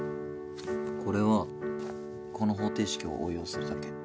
これはこの方程式を応用するだけ。